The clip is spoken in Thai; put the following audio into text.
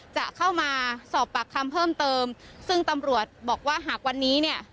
จะเข้ามาสอบปากคำเพิ่มเติมซึ่งตำรวจบอกว่าหากวันนี้เนี่ย